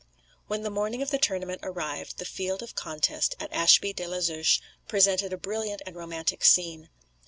When the morning of the tournament arrived the field of contest at Ashby de la Zouche presented a brilliant and romantic scene.